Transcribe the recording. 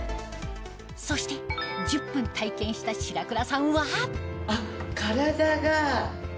そして１０分体験した白倉さんはあっ。